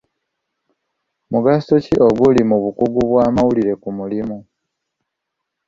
Mugaso ki oguli mu bukugu bw'amawulire ku mulimu?